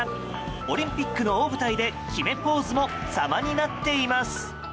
オリンピックの大舞台で決めポーズも様になっています。